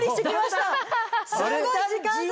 すごい時間差で。